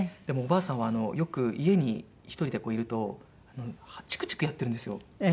でもおばあさんはよく家に１人でいるとチクチクやってるんですよ。